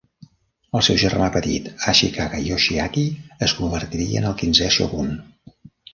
Els seu germà petit Ashikaga Yoshiaki es convertiria en el quinzè shogun.